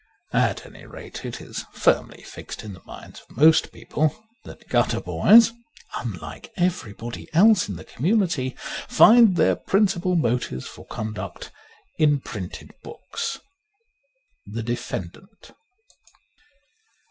At any rate, it is firmly fixed in the minds of most people that gutter boys, tmlike everybody else in the community, find their prin cipal motives for conduct in printed books. ' The Defendant.